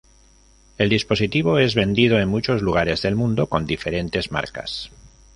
El dispositivo es vendido en muchos lugares del mundo con diferentes Marcas.